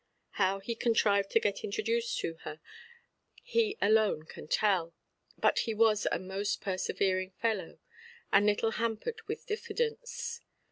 How he contrived to get introduced to her, he alone can tell; but he was a most persevering fellow, and little hampered with diffidence.